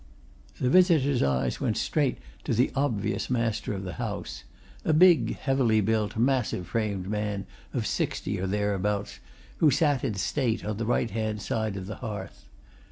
The visitor's eyes went straight to the obvious master of the house, a big, heavily built, massive framed man of sixty or thereabouts, who sat in state on the right hand side of the hearth.